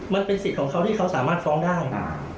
มันเป็นสิทธิ์ของเขาที่เขาสามารถฟ้องได้